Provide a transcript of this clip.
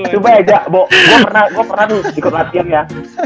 coba aja gue pernah dikeluarin ya